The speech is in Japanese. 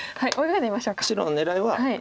白の狙いは。